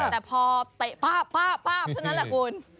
แต่พอเตะป้าบเท่านั้นแหละคุณ